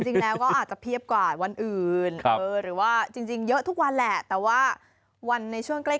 จริงแล้วก็อาจจะเพียบกว่าวันอื่นหรือว่าจริงเยอะทุกวันแหละแต่ว่าวันในช่วงใกล้